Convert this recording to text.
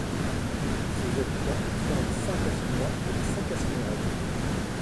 Ses habitants sont les Saint-Cassinois et les Saint-Cassinoises.